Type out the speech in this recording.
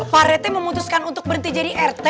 pak rt memutuskan untuk berhenti jadi rt